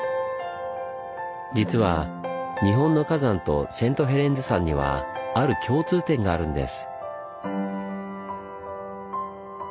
実は日本の火山とセントヘレンズ山にはある共通点があるんです。